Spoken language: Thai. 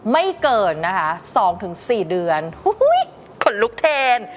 ไม่เกินนะคะสองถึงสี่เดือนคนลุกเทน